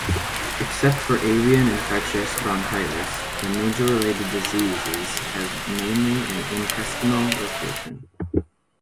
Except for avian infectious bronchitis, the major related diseases have mainly an intestinal location.